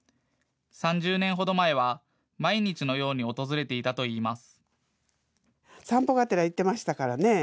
３０年程前は、毎日のように訪れていたといいます。